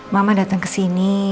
mama dateng kesini